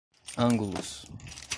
ângulos